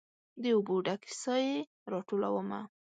د اوبو ډ کې سائې راټولومه